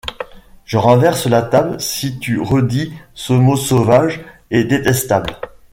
Je renverse la table Si tu redis ce mot sauvage et détestable.